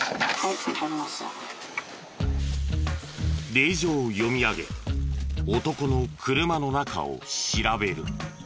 令状を読み上げ男の車の中を調べる。